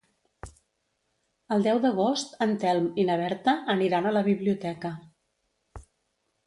El deu d'agost en Telm i na Berta aniran a la biblioteca.